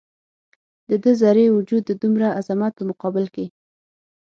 د ده ذرې وجود د دومره عظمت په مقابل کې.